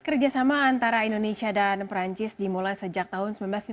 kerjasama antara indonesia dan perancis dimulai sejak tahun seribu sembilan ratus lima puluh